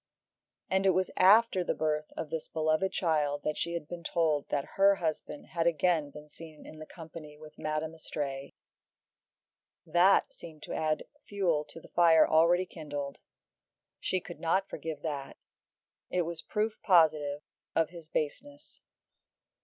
And it was after the birth of this beloved child that she had been told that her husband had again been seen in company with Madame Istray; that seemed to add fuel to the fire already kindled. She could not forgive that. It was proof positive of his baseness.